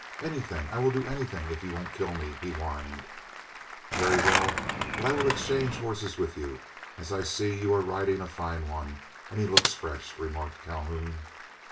"Anything, I will do anything, if you won't kill me," he whined. "Very well, but I will exchange horses with you, as I see you are riding a fine one, and he looks fresh," remarked Calhoun.